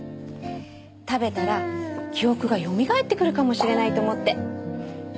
食べたら記憶がよみがえってくるかもしれないと思って。